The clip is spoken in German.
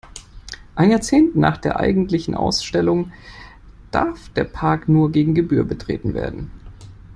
Ein Jahrzehnt nach der eigentlichen Ausstellung darf der Park nur gegen Gebühr betreten werden.